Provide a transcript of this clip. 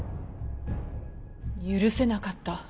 許せなかった。